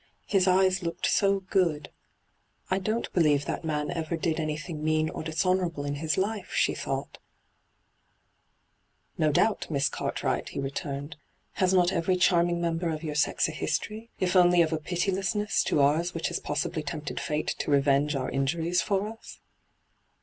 His eyes looked so good. ' I hyGoogIc ENTRAPPED 145 don't believe that man ever did anything mean or dishonourable in his life,' she thoughi * No doubt, Miss Cartwright,' he retumed. ' Has not every charming member of your sex a history, if only of a pitilessness to ours which has possibly tempted fate to revenge our injuqea for us